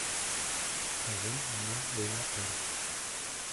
Ҡыҙым уны уйнатыр.